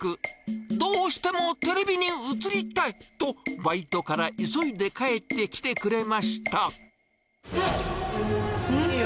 どうしてもテレビに映りたい！とバイトから急いで帰ってきてくれん！